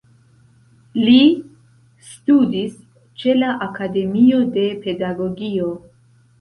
Li studis ĉe la Akademio de Pedagogio.